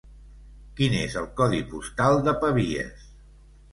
Quin és el codi postal de Pavies?